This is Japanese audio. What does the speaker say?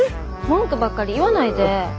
文句ばっかり言わないで。